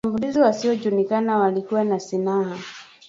Washambuliaji wasiojulikana walikuwa na silaha